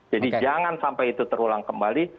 jadi jangan sampai itu terulang kembali